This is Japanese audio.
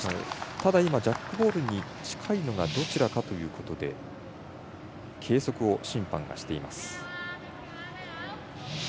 ただ、今ジャックボールに近いのがどちらかということで計測を審判がしています。